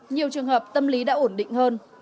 nhiều trường hợp tâm lý đã ổn định hơn